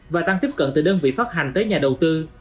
và tăng tiếp cận từ đơn vị phát hành tới nhà đầu tư